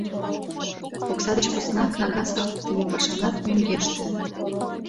Окса деч посна кнага савыктыме пашанат мӧҥгеште.